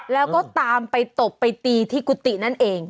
แล้วก็ตามไปตบไปตีที่กุฏินั่นเอง